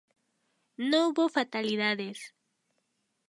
No hubo fatalidades.